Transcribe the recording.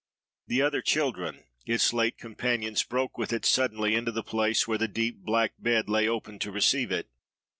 The other children, its late companions, broke with it, suddenly, into the place where the deep black bed lay open to receive it.